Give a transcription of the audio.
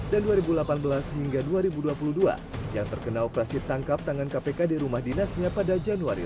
dua ribu tiga belas dua ribu delapan belas dan dua ribu delapan belas dua ribu dua puluh dua yang terkena operasi tangkap tangan kpk di rumah dinasnya pada januari